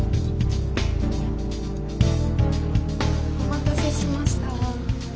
お待たせしました。